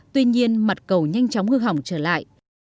tuy nhiên mặt cầu nhanh chóng hư hỏng trở lại